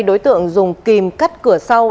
đối tượng dùng kìm cắt cửa sau